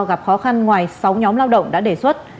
gặp khó khăn ngoài sáu nhóm lao động đã đề xuất